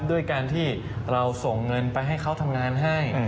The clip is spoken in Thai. ด้วยการที่เราส่งเงินไปให้เขาทำงานให้